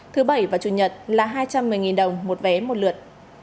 thứ bảy và chủ nhật là hai trăm một mươi đồng một vé một lượt